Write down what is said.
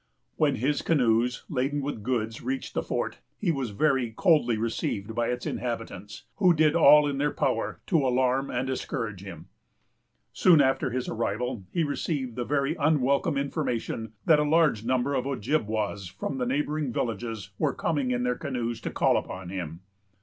When his canoes, laden with goods, reached the fort, he was very coldly received by its inhabitants, who did all in their power to alarm and discourage him. Soon after his arrival, he received the very unwelcome information, that a large number of Ojibwas, from the neighboring villages, were coming, in their canoes, to call upon him.